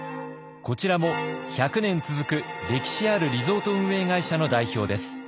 こちらも１００年続く歴史あるリゾート運営会社の代表です。